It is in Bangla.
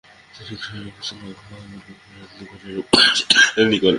তিনি গ্রহের অবস্থান, আবহাওয়া এবং এমনকি রাজনৈতিক ঘটনারও ভবিষ্যদ্বাণী করেন।